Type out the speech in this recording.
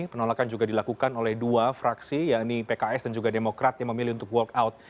penolakan juga dilakukan oleh dua fraksi yakni pks dan juga demokrat yang memilih untuk walk out